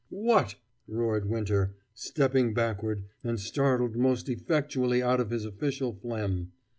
"What!" roared Winter, stepping backward, and startled most effectually out of his official phlegm.